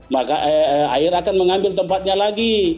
maka air akan mengambil tempatnya lagi